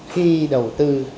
khi đầu tư